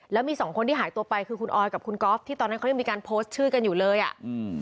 แล้วมีสองคนที่หายตัวไปคือคุณออยกับคุณก๊อฟที่ตอนนั้นเขายังมีการโพสต์ชื่อกันอยู่เลยอ่ะอืม